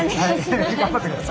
頑張ってください。